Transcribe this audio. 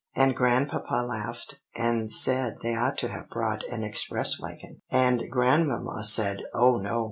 And Grandpapa laughed, and said they ought to have brought an express wagon; and Grandmamma said, 'Oh, no!